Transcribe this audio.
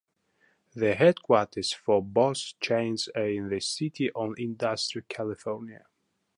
The headquarters for both chains are in the City of Industry, California.